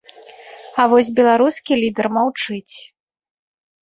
А вось беларускі лідар маўчыць.